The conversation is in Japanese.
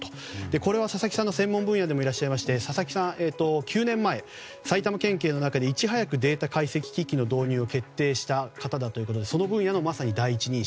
これは、佐々木さんの専門分野でもいらっしゃいまして佐々木さん、９年前埼玉県警の中でいち早くデータ解析機器の導入を決定した方ということでその分野の、まさに第一人者。